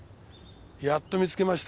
やっと見つけました。